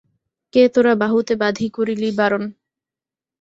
কে তোরা বাহুতে বাঁধি করিলি বারণ?